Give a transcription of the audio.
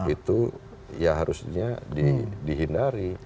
itu ya harusnya dihindari